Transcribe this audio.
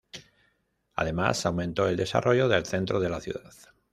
Además, aumentó el desarrollo del centro de la ciudad.